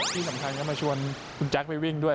ที่สำคัญก็มาชวนคุณแจ๊คไปวิ่งด้วย